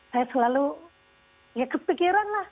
saya selalu ya kepikiran lah